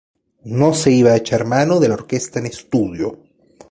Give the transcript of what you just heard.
No se iba a echar mano de la orquesta en estudio.